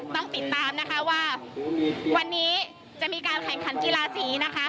ต้องติดตามนะคะว่าวันนี้จะมีการแข่งขันกีฬาสีนะคะ